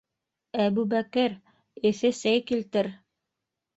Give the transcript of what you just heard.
Әбүбәкер, эҫе сәй килтер.